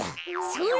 それ！